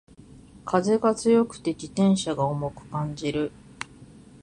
風が強くて自転車が重く感じる